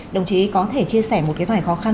đồng chí có thể chia sẻ một cái vài khó khăn